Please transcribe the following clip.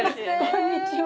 こんにちは。